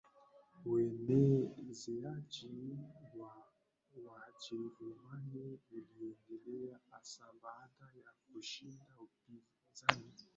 Uenezeaji wa Wajerumani uliendelea hasa baada ya kushinda upinzani